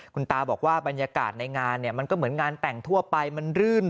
คุณตาบอกว่าบรรยากาศในงานเนี่ยมันก็เหมือนงานแต่งทั่วไปมันรื่น